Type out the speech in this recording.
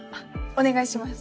お願いします。